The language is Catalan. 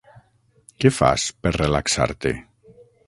Què fas per relaxar-te?